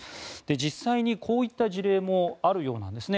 実際にこういった事例もあるようなんですね。